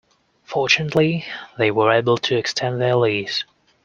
Fortunately, they were able to extend their lease.